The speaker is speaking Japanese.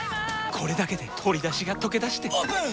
これだけで鶏だしがとけだしてオープン！